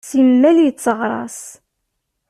Simmal yetteɣṛas.